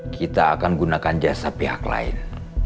kita akan gunakan jasa pihak lain